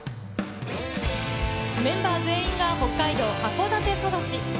メンバー全員が北海道函館育ち。